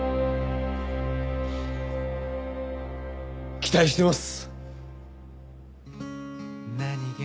期待してます。